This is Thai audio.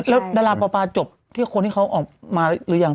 แล้วดาราปอปาจบที่คนที่เขาออกมาหรือยัง